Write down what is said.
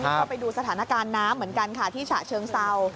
ก็ไปดูสถานการณ์น้ำเหมือนกันค่ะที่ฉะเชิงเศร้า